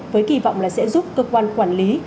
với kỳ vọng là sẽ giúp cơ quan quản lý